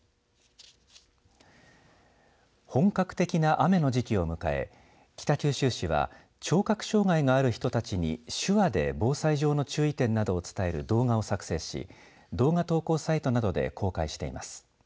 本格的な雨の時期を迎え北九州市は聴覚障害がある人たちに手話で防災上の注意点などを伝える動画を作成し動画投稿サイトなどで公開しています。